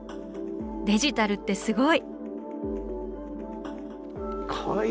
デジタルってすごい！